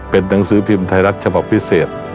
เป็นหนังสือพิมพ์ไทยรัฐฉบับพิเศษ